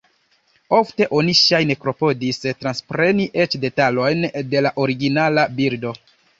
Ofte oni ŝajne klopodis transpreni eĉ detalojn de la originala bildo.